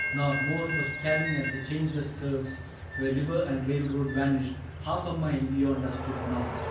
Nor more for staring at the changeless curve Where river and railroad vanished, half a mile Beyond us to the north.